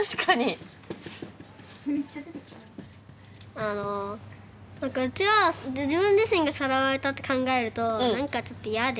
あの何かうちは自分自身がさらわれたって考えると何かちょっと嫌で。